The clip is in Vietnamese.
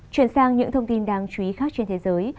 chuyển sang những thông tin đáng chú ý khác trên thế giới